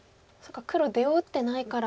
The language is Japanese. か黒出を打ってないから。